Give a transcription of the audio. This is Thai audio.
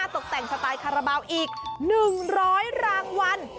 ตกแต่งสไตล์คาราบาลอีก๑๐๐รางวัล